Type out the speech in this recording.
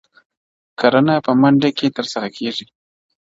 کرنه په مندې کې ترسره کېږي.